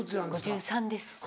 ５３です。